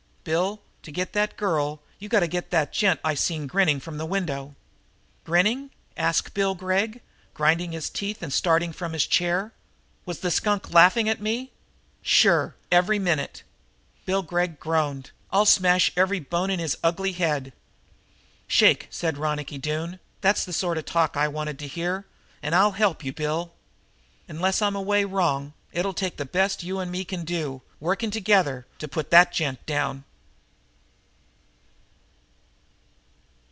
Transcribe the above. Bill, to get at the girl you got to get that gent I seen grinning from the window." "Grinning?" asked Bill Gregg, grinding his teeth and starting from his chair. "Was the skunk laughing at me?" "Sure! Every minute." Bill Gregg groaned. "I'll smash every bone in his ugly head." "Shake!" said Ronicky Doone. "That's the sort of talk I wanted to hear, and I'll help, Bill. Unless I'm away wrong, it'll take the best that you and me can do, working together, to put that gent down!"